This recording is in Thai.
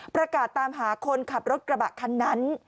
ประกาศตามหาคนขับรถกระบะคันนั้น